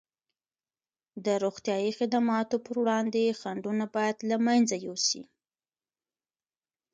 د روغتیايي خدماتو پر وړاندې خنډونه باید له منځه یوسي.